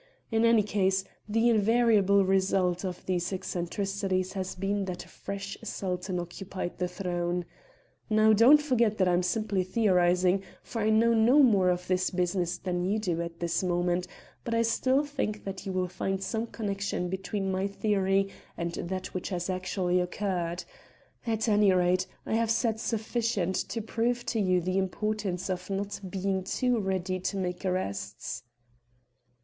In any case, the invariable result of these eccentricities has been that a fresh Sultan occupied the throne. Now, don't forget that I am simply theorising, for I know no more of this business than you do at this moment, but I still think that you will find some connection between my theory and that which has actually occurred. At any rate, I have said sufficient to prove to you the importance of not being too ready to make arrests."